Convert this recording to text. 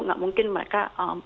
gak mungkin mereka